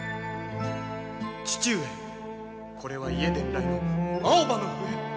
父上これは家伝来の青葉の笛！